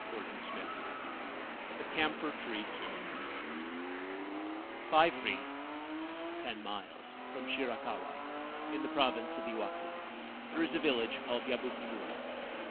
351 LVII THE CAMPHOR TREE TOMB FIVE ri (ten miles) from Shirakawa, in the province of Iwaki, there is a village called Yabuki mura.